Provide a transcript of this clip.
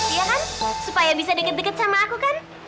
iya kan supaya bisa deket deket sama aku kan